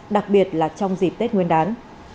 đặc biệt là trong dịp tết nguyên đán